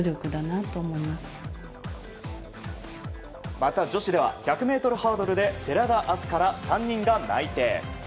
また女子では１００ｍハードルで寺田明日香ら３人が内定。